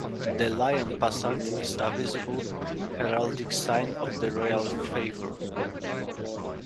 The lion passant is a visible heraldic sign of the royal favour.